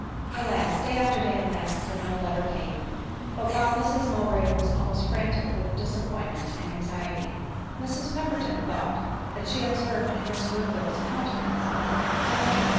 Alas ! day after day elapsed, and no letter came ; but while Mrs Mowbray was almost frantic with disap pointment and anxiety, Mrs Pemberton thought that she observed in Miss Woodville's countenance a look of ADELINE MOWBRAY.